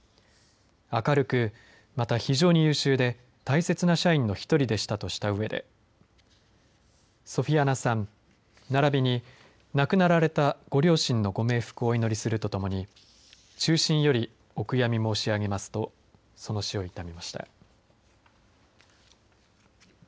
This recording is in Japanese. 明るくまた非常に優秀で大切な社員の一人でしたとしたうえでソフィアナさんならびに亡くなられたご両親のご冥福をお祈りするとともに衷心よりお悔み申し上げますとその死を悼みました。